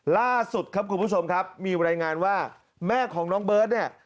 ล่าสุดครับคุณผู้ชมครับมีรายงานว่าแม่ของน้องเบิร์ตเนี่ย